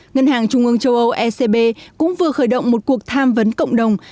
ngân hàng trung ương châu âu ecb cũng vừa khởi động một cuộc tham vấn cộng đồng